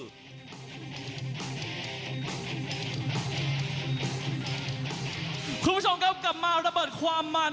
คุณผู้ชมครับกลับมาระเบิดความมัน